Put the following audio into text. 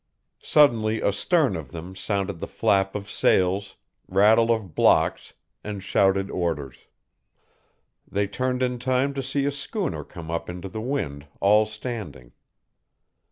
Suddenly astern of them sounded the flap of sails, rattle of blocks, and shouted orders. They turned in time to see a schooner come up into the wind all standing.